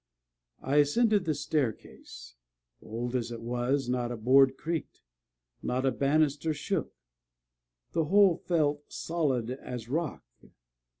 I ascended the staircase. Old as it was, not a board creaked, not a banister shook the whole felt solid as rock.